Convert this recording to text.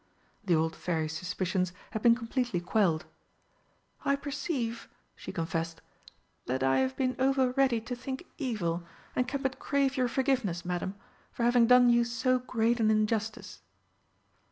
The old Fairy's suspicions had been completely quelled. "I perceive," she confessed, "that I have been over ready to think evil, and can but crave your forgiveness, Madam, for having done you so great an injustice."